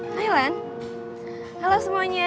hai lan halo semuanya